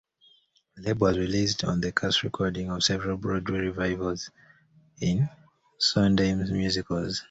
The label has released the cast recordings of several Broadway revivals of Sondheim's musicals.